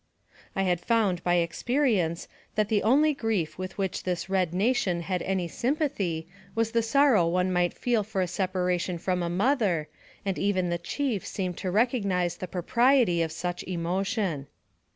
I had found, by experience, that the only grief with which this red nation had any sympathy was the sor row one might feel for a separation from a mother, and even the chief seemed to recognize the propriety of such emotion.